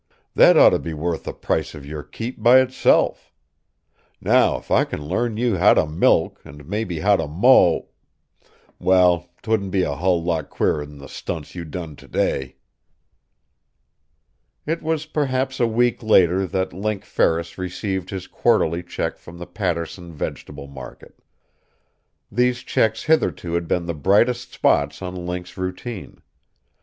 That ought to be worth the price of your keep, by itself. Now if I c'n learn you how to milk an' maybe how to mow well, 'twouldn't be a hull lot queerer'n the stunts you done to day!" It was perhaps a week later that Link Ferris received his quarterly check from the Paterson Vegetable Market. These checks hitherto had been the brightest spots in Link's routine.